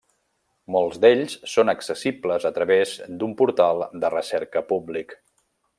Molts d'ells són accessibles a través d'un portal de recerca públic.